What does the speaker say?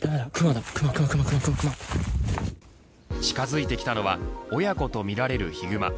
近づいてきたのは親子とみられるヒグマ。